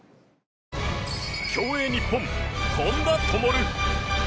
競泳日本、本多灯。